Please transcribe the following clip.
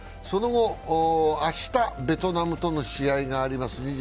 その後、明日、ベトナムとの試合があります。